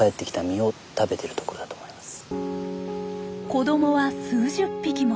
子どもは数十匹も。